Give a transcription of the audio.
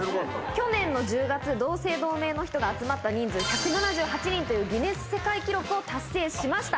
去年の１０月、同姓同名の人が集まった人数１７８人というギネス世界記録を達成しました。